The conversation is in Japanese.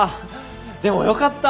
でもよかった。